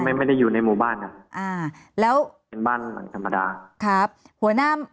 ไม่ได้อยู่ในหมู่บ้านครับเป็นบ้านหลังธรรมดา